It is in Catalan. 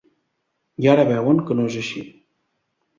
I ara veuen que no és així.